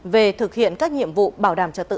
về thực hiện các nhiệm vụ bảo đảm trật tự